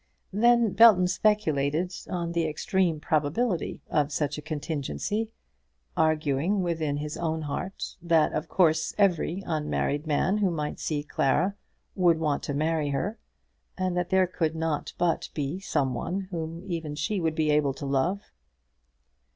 Then Belton speculated on the extreme probability of such a contingency; arguing within his own heart that of course every unmarried man who might see Clara would want to marry her, and that there could not but be some one whom even she would be able to love.